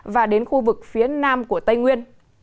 và đến khu vực phía nam của tây nguyên